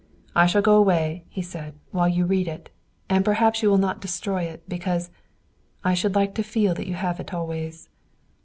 "I shall go away," he said, "while you read it. And perhaps you will not destroy it, because I should like to feel that you have it always."